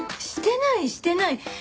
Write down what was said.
してないしてない！